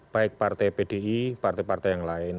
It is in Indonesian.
baik partai pdi partai partai yang lain